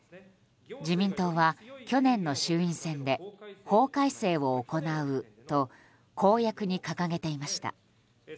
自民党は去年の衆院選で法改正を行うと公約に掲げていました。